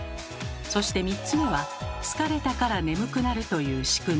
そして３つ目は疲れたから眠くなるというしくみ。